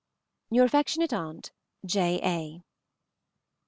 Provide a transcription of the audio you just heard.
Your affectionate aunt, J. A.